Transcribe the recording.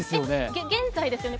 げ、現在ですよね？